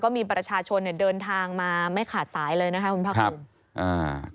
ก็มีประชาชนเดินทางมาไม่ขาดสายเลยนะครับคุณพระคุณ